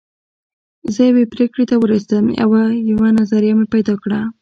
زه يوې پرېکړې ته ورسېدم او يوه نظريه مې پيدا کړه.